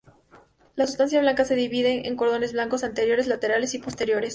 La sustancia blanca se divide en cordones blancos anteriores, laterales y posteriores.